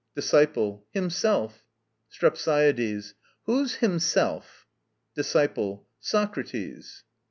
DISCIPLE. 'Tis he himself. STREPSIADES. Who himself? DISCIPLE. Socrates.